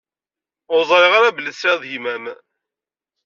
Ur ẓṛiɣ ara belli tesɛiḍ gma-m.